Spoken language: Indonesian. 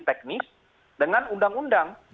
teknis dengan undang undang